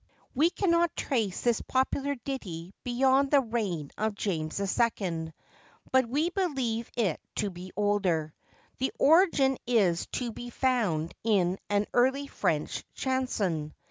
(TRADITIONAL.) [WE cannot trace this popular ditty beyond the reign of James II, but we believe it to be older. The origin is to be found in an early French chanson.